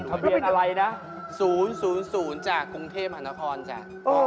อะไรนะ๐๐๐๐จ้ากรุงเทพธนธรรมจ้า